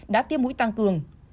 đã tiêm mũi tăng cường